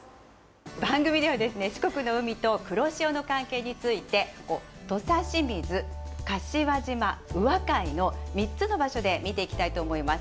番組ではですね四国の海と黒潮の関係について土佐清水柏島宇和海の３つの場所で見ていきたいと思います。